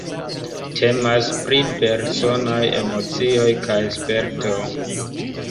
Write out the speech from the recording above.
Temas pri personaj emocioj kaj spertoj.